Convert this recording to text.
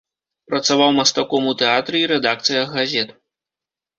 Працаваў мастаком у тэатры і рэдакцыях газет.